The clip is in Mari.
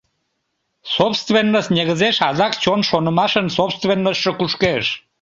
Собственность негызеш адак чон шонымашын собственностьшо кушкеш.